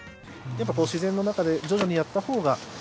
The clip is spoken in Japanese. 自然の中で徐々にやったほうが。